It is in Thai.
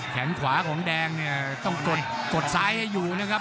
ขวาของแดงเนี่ยต้องกดซ้ายให้อยู่นะครับ